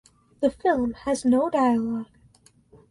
The film has no dialogue.